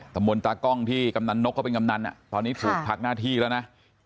ตบนตากล้องที่กำนันนกเขาเป็นกำนันอ่ะตอนภาพนาธิแล้วนะ